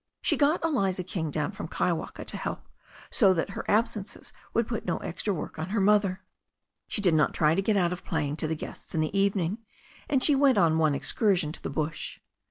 She got Eliza King down from Kaiwaka to help, so that her absences would put no extra work on lier mother. She did not try to get out of playing to the THE STORY OF A NEW ZEALAND RIVER 309 guests in the evening, and she went on one excursion to the bush.